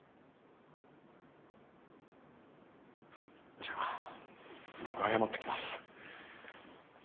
じゃあ僕謝ってきます